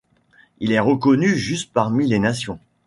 Il est reconnu Juste parmi les nations.